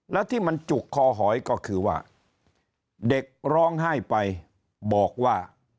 แล้วที่มันจุกคอหอยก็คือว่าเด็กร้องไห้ไปบอกว่า